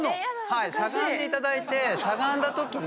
はいしゃがんでいただいてしゃがんだときに。